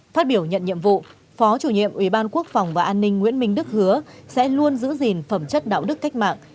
phát biểu nhận nhiệm vụ phó chủ nhiệm ubnd nguyễn minh đức hứa sẽ luôn giữ gìn phẩm chất đạo đức cách mạng